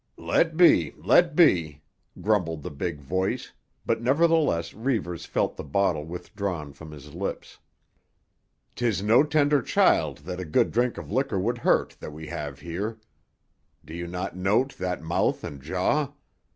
"Let be, let be," grumbled the big voice, but nevertheless Reivers felt the bottle withdrawn from his lips. "'Tis no tender child that a good drink of liquor would hurt that we have here. Do you not note that mouth and jaw?